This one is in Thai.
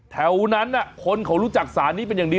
แถวนั้นคนเขารู้จักสารนี้เป็นอย่างดี